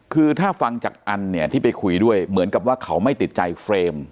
คือถ้าฟังจากอันเนี่ยที่ไปคุยด้วยเหมือนกับว่าเขาไม่ติดใจเฟรม